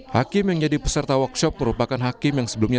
hakim yang jadi peserta workshop merupakan hakim yang sebelumnya